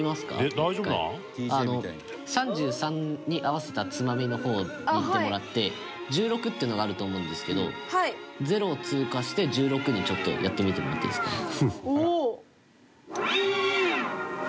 隆貴君：３３に合わせたツマミの方にいってもらって１６っていうのがあると思うんですけど０を通過して１６に、ちょっとやってみてもらっていいですか？